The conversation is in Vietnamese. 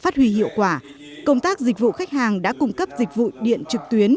thùy hiệu quả công tác dịch vụ khách hàng đã cung cấp dịch vụ điện trực tuyến